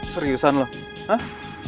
seriusan lo hah